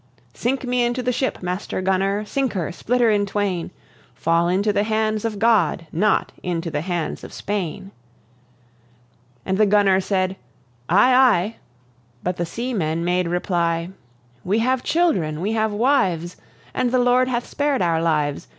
Sink me the ship, Master Gunner sink her, split her in twain! Fall into the hands of God, not into the hands of Spain!" And the gunner said. "Ay, ay," but the seamen made reply: "We have children, we have wives, And the Lord hath spared our lives.